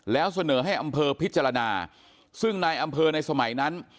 แล้วเสนอให้อำเภอพิจารณาซึ่งนายอำเภอในสมัยนั้น